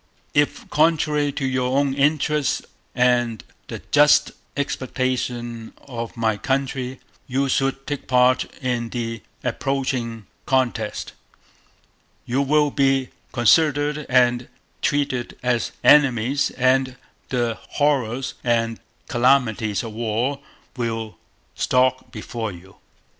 If, contrary to your own interest and the just expectation of my country, you should take part in the approaching contest, you will be considered and treated as enemies and the horrors and calamities of war will Stalk before you.